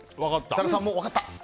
設楽さんは分かった？